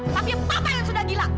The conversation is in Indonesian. tapi apa yang sudah gila